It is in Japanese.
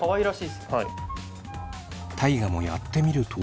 すごい。大我もやってみると。